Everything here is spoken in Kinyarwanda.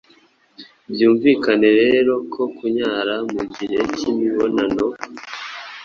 Byumvikane rero ko kunyara mu gihe cy’imibonano